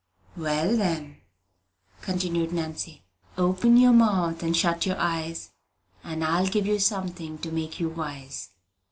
"Well, then," continued Nanny, "'Open your mouth and shut your eyes, And I'll give you something to make you wise!'"